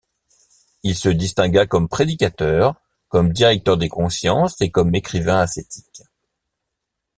Il se distingua comme prédicateur, comme directeur des consciences et comme écrivain ascétique.